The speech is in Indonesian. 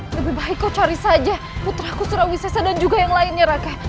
lebih baik kau cari saja putraku surawisesa dan juga yang lainnya raka